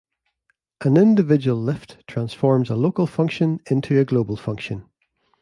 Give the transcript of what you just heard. An individual "lift" transforms a local function into a global function.